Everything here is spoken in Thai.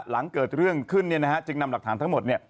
หลังเกิดเรื่องขึ้นจึงนำหลักฐานทั้งหมด